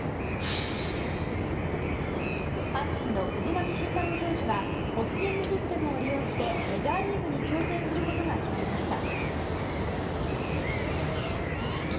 阪神の藤浪晋太郎投手がポスティングシステムを利用してメジャーリーグに挑戦することが決まりました。